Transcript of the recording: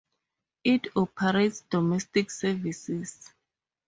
It operates domestic services.